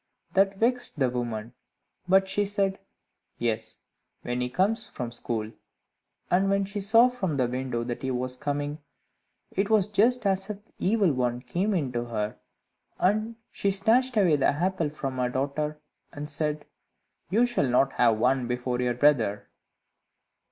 That vexed the woman, but she said, "Yes, when he comes from school." And when she saw from the window that he was coming, it was just as if the Evil One came into her, and she snatched away the apple from her daughter, and said, "You shall not have one before your brother."